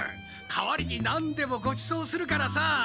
代わりに何でもごちそうするからさあ。